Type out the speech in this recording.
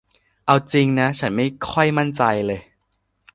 เอาจริงนะ ฉันไม่ค่อยมันใจเลย